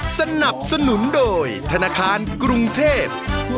สนับสนุนโดยธนาคารกรุงเทพฯ